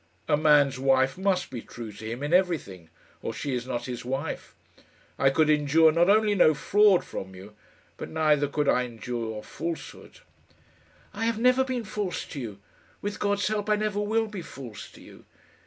A man's wife must be true to him in everything, or she is not his wife. I could endure not only no fraud from you, but neither could I endure falsehood." "I have never been false to you. With God's help I never will be false to you."